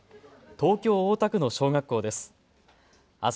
東京大田区の小学校です。